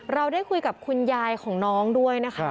เราได้คุยกับคุณยายของน้องด้วยนะคะ